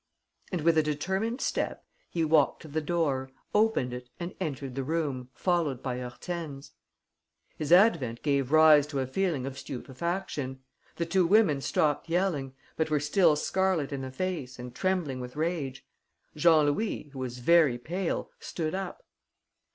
And, with a determined step, he walked to the door, opened it and entered the room, followed by Hortense. His advent gave rise to a feeling of stupefaction. The two women stopped yelling, but were still scarlet in the face and trembling with rage. Jean Louis, who was very pale, stood up.